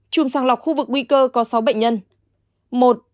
chùm sàng lọc khu vực nguy cơ có sáu bệnh nhân